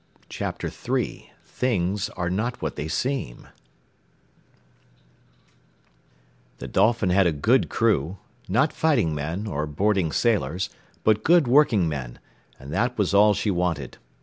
Chapter III THINGS ARE NOT WHAT THEY SEEM The Dolphin had a good crew, not fighting men, or boarding sailors, but good working men, and that was all she wanted.